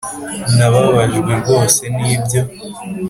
nababajwe rwose nibyo.